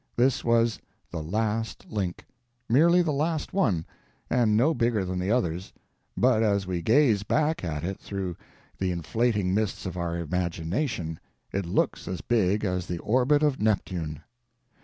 This was the _last _link—merely the last one, and no bigger than the others; but as we gaze back at it through the inflating mists of our imagination, it looks as big as the orbit of Neptune.